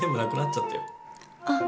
あっ。